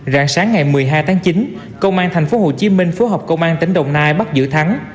rạng sáng ngày một mươi hai tháng chín công an tp hcm phối hợp công an tỉnh đồng nai bắt giữ thắng